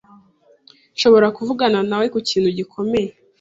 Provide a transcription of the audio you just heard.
Nshobora kuvugana nawe kukintu gikomeye?